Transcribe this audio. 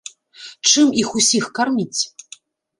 Чым іх усіх карміць?